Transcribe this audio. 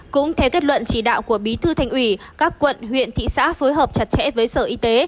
cũng theo kết luận chỉ đạo của bí thư thành ủy các quận huyện thị xã phối hợp chặt chẽ với sở y tế